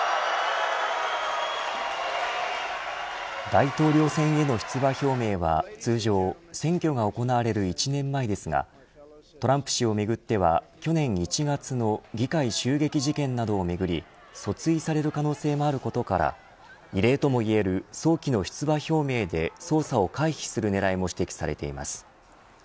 大統領選への出馬表明は通常、選挙が行われる１年前ですがトランプ氏をめぐっては去年１月の議会襲撃事件などをめぐり訴追される可能性もあることから異例ともいえる早期の出馬表明で捜査を回避する狙いも指摘されています。